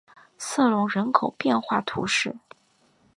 瑟隆人口变化图示